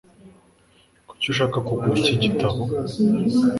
Kuki ushaka kugura iki gitabo?